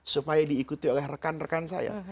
supaya diikuti oleh rekan rekan saya